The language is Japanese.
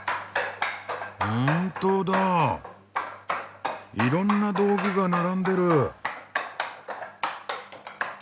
本当だいろんな道具が並んでる。